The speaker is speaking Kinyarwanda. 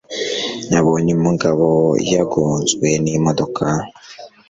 Nabonye umugabo yagonzwe n'imodoka.